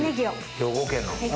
兵庫県の。